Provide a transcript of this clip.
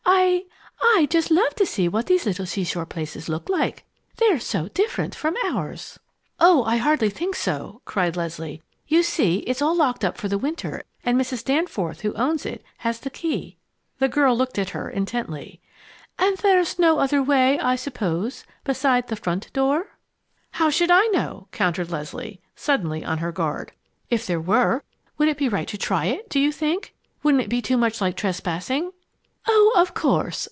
"I I just love to see what these little seashore places look like. They're so different from ours." "Oh, I hardly think so!" cried Leslie. "You see it's all locked up for the winter, and Mrs. Danforth, who owns it, has the key." The girl looked at her intently. "And there's no other way, I suppose, beside the front door?" "How should I know?" countered Leslie, suddenly on her guard. "If there were would it be right to try it, do you think? Wouldn't it be too much like trespassing?" "Oh, of course!"